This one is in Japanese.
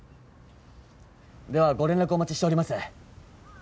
ではご連絡お待ちしております。